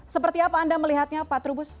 seperti apa anda melihatnya pak trubus